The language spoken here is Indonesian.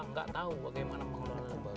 tidak tahu bagaimana mengelola